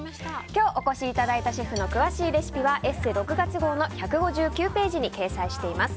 今日お越しいただいたシェフの詳しいレシピは「ＥＳＳＥ」６月号の１５９ページに掲載しています。